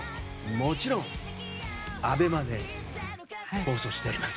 もちろんＡＢＥＭＡで放送しております。